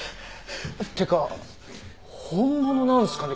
ってか本物なんすかね？